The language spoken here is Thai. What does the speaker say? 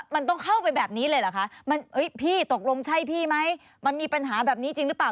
มันต้องเข้าไปแบบนี้เลยเหรอคะมันพี่ตกลงใช่พี่ไหมมันมีปัญหาแบบนี้จริงหรือเปล่า